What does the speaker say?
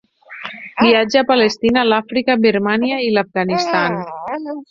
Viatja a Palestina, l'Àfrica, Birmània i l'Afganistan.